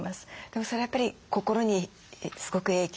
でもそれはやっぱり心にすごく影響しますか？